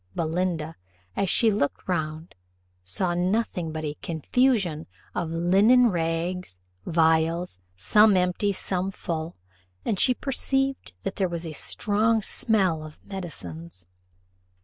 Belinda, as she looked round, saw nothing but a confusion of linen rags; vials, some empty, some full, and she perceived that there was a strong smell of medicines.